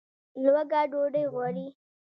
لوږه ډوډۍ غواړي